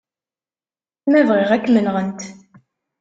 Ma bɣiɣ, ad kem-nɣent.